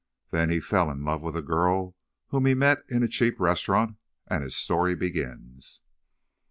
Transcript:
Then he fell in love with a girl whom he met in a cheap restaurant, and his story begins.